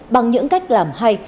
bằng những cách làm hay